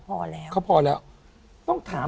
พี่น้องรู้ไหมว่าพ่อจะตายแล้วนะ